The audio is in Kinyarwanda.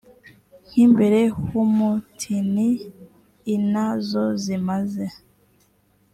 nk imbere h umutini i na zo zimaze